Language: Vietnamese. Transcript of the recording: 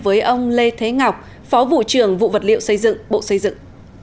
chào đổi với ông lê thế ngọc phó vụ trưởng vụ vật liệu xây dựng bộ xây dựng